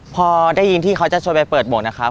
พอได้ยินที่เขาจะชวนไปเปิดบทนะครับ